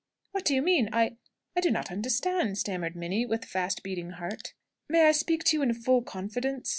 "What do you mean? I I do not understand," stammered Minnie, with fast beating heart. "May I speak to you in full confidence?